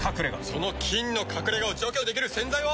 その菌の隠れ家を除去できる洗剤は。